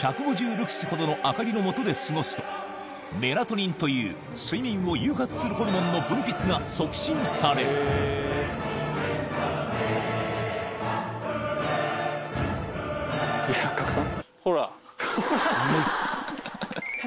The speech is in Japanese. ルクスほどの明かりの下で過ごすとメラトニンという睡眠を誘発するホルモンの分泌が促進される賀来さん。